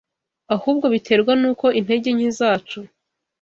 ahubwo biterwa n’uko intege nke zacu